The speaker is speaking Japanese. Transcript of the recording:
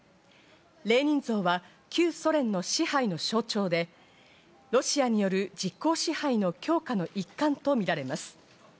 レーニン像は旧ソ連の支配の象徴で、ロシアによる実効支配の強化の一環とみられます。